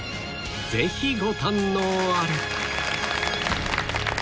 ぜひご堪能あれ